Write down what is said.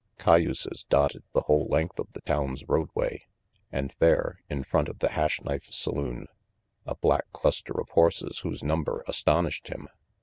Cayuses dotted the whole length of the town's roadway and there, in front of the Hash Knife saloon, a black cluster of horses whose number astonished him.